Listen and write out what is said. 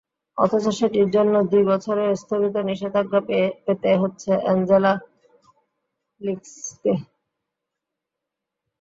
অথচ সেটির জন্যই দুই বছরের স্থগিত নিষেধাজ্ঞা পেতে হচ্ছে অ্যাঞ্জেলা লিকসকে।